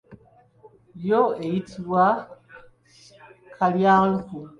Yo eyitibwa kalyanku.